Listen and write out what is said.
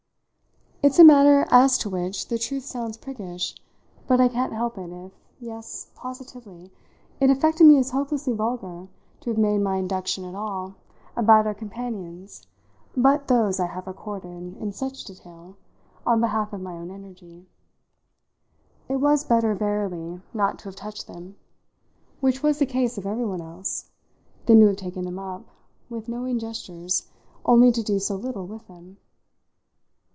It's a matter as to which the truth sounds priggish, but I can't help it if yes, positively it affected me as hopelessly vulgar to have made any induction at all about our companions but those I have recorded, in such detail, on behalf of my own energy. It was better verily not to have touched them which was the case of everyone else than to have taken them up, with knowing gestures, only to do so little with them.